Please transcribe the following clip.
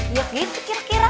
iya gitu kira kira